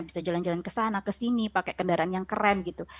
bisa jalan jalan ke sana kesini pakai kendaraan yang keren gitu